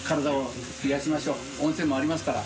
温泉もありますから。